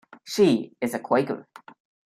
She is a Quaker.